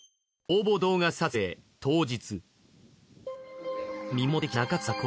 応募動画撮影当日。